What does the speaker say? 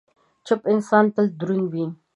چپ انسان، تل دروند وي.